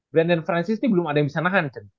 brandon francis ini belum ada yang bisa nahan